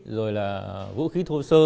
rồi là vũ khí thô sơ